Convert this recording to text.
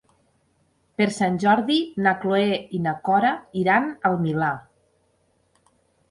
Per Sant Jordi na Cloè i na Cora iran al Milà.